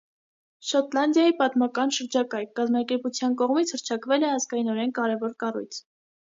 «Շոտլանդիայի պատմական շրջակայք» կազմակերպության կողմից հռչակվել է ազգայնորեն կարևոր կառույց։